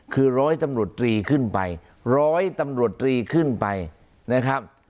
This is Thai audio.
คือร้อยตำรวจตรีขึ้นไปร้อยตำรวจตรีขึ้นไปนะครับ